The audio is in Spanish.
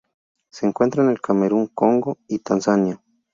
Se encuentra en el Camerún Congo y Tanzania.